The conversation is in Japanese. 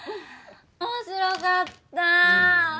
面白かった。